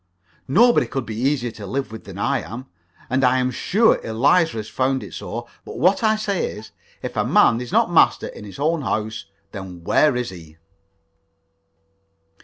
No one could be easier to live with than I am, and I am sure Eliza has found it so; but what I say is, if a man is not master in his own house, then where is he?